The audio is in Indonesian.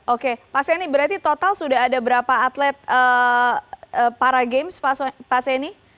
oke pak seni berarti total sudah ada berapa atlet para games pak seni